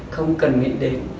không cần nghĩ đến